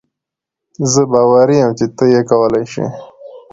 زۀ باوري يم چې تۀ یې کولای شې.